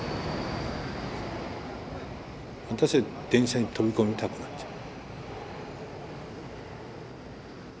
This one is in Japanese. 私は電車に飛び込みたくなっちゃう。